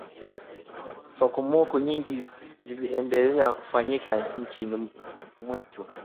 Sokomoko nyingi ziliendelea kufanyika nchini mwetu